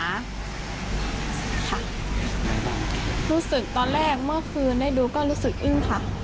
รู้สึกตอนแรกเมื่อคืนได้ดูก็รู้สึกอึ้งค่ะ